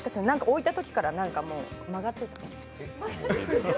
置いたときから曲がってた。